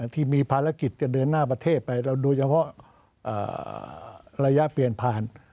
ที่มีภารกิจจะเดินหน้าประเทศไปเราโดยเฉพาะระยะเปลี่ยนผ่าน